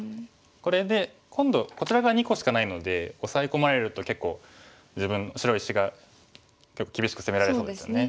これで今度こちら側２個しかないのでオサエ込まれると結構自分白石が結構厳しく攻められそうですよね。